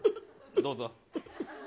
どうぞ。